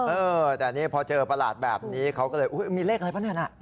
เออแต่นี่พอเจอประหลาดแบบนี้เขาก็เลยอุ๊ยมีเลขอะไรปะเนี่ยนะ